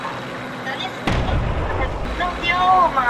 五代名将。